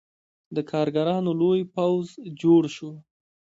د کارګرانو لوی پوځ جوړ شو.